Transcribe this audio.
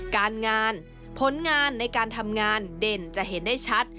การงานผลงานในการทำงานเด่นจะเห็นได้ชัด